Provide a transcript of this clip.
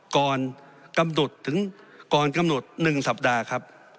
ก่อนกำหนด๑สัปดาห์ครับ